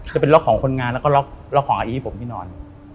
จะเป็นล็อกของคนงานแล้วก็ล็อกของอีที่ผมที่นอน